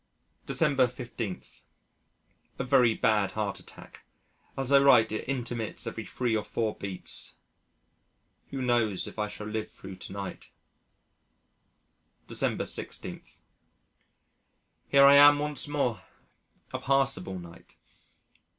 December 15. A very bad heart attack. As I write it intermits every three or four beats. Who knows if I shall live thro' to night? December 16. Here I am once more. A passable night.